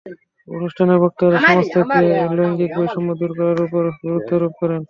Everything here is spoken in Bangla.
অনুষ্ঠানে বক্তারা সমাজ থেকে লৈঙ্গিক বৈষম্য দূর করার ওপর গুরুত্বারোপ করেন।